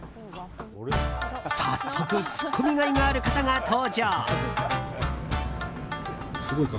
早速、ツッコミがいがある方が登場！